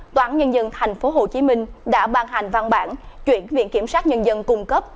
tòa án nhân dân tp hcm đã ban hành văn bản chuyển viện kiểm sát nhân dân cung cấp